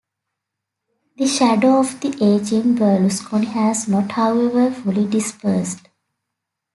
The shadow of the ageing Berlusconi has not however fully dispersed.